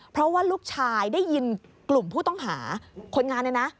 เพราะว่าลูกชายได้ยินกลุ่มผู้ต้องหาคนงานเนี่ยนะ